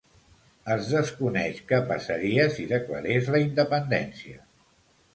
Es desconeix què passaria si declarés la independència.